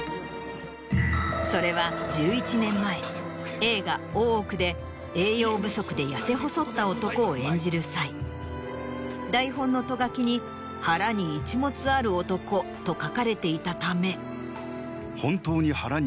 それは１１年前映画『大奥』で。を演じる際台本のト書きに「腹に一物ある男」と書かれていたため。